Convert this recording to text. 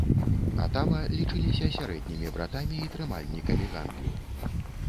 Атава лічыліся сярэднімі братамі і трымальнікамі гандлю.